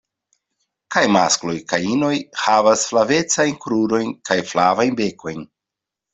Kaj maskloj kaj inoj havas flavecajn krurojn kaj flavajn bekojn.